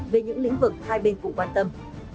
về những lĩnh vực hai bên cũng quan tâm